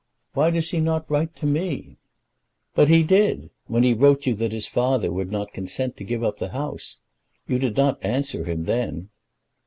"Why does he not write to me?" "But he did, when he wrote you that his father would not consent to give up the house. You did not answer him then."